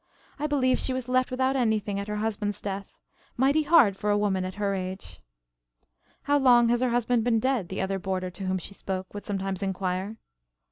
I believe she was left without anything at her husband's death; mighty hard for a woman at her age." "How long has her husband been dead?" the other boarder to whom she spoke would sometimes inquire. Mrs.